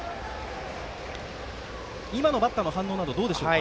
今のバッターの反応などどうでしょうか？